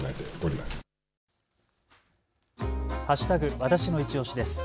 わたしのいちオシです。